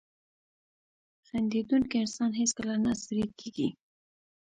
• خندېدونکی انسان هیڅکله نه ستړی کېږي.